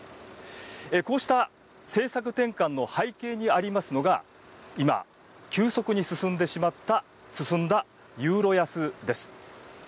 こうした政策転換の背景にありますのが今、急速に進んだユーロ安です。